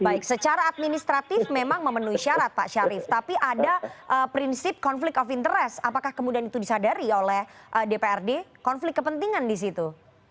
baik secara administratif memang memenuhi syarat pak syarif tapi ada prinsip konflik of interest apakah kemudian itu disadari oleh dprd konflik kepentingan di situ